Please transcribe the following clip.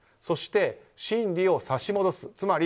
そして、審理を差し戻す。